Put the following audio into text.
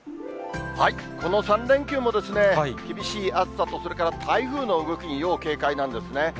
この３連休も厳しい暑さと、それから台風の動きに要警戒なんですね。